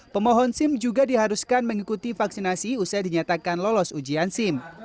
pemohon sim juga diharuskan mengikuti vaksinasi usai dinyatakan lolos ujian sim